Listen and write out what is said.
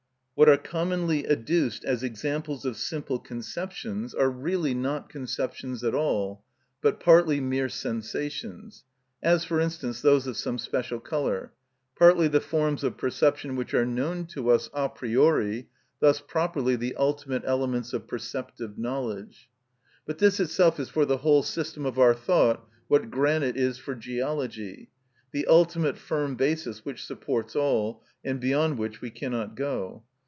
What are commonly adduced as examples of simple conceptions are really not conceptions at all, but partly mere sensations—as, for instance, those of some special colour; partly the forms of perception which are known to us a priori, thus properly the ultimate elements of perceptive knowledge. But this itself is for the whole system of our thought what granite is for geology, the ultimate firm basis which supports all, and beyond which we cannot go.